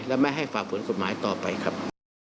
และไม่ให้ฝ่าฝืนกฎหมายต่อไปครับ